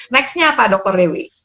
nextnya apa dokter rewi